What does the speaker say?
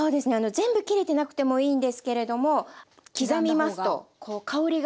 全部切れてなくてもいいんですけれども刻んだ方が。